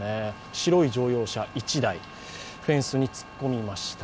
白い乗用車１台、フェンスに突っ込みました。